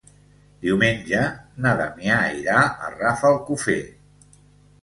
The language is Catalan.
Diumenge na Damià irà a Rafelcofer.